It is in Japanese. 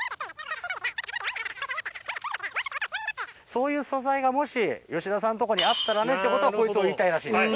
そういう素材がもし吉田さんとこにあったらねってことをこいつは言いたいらしいです。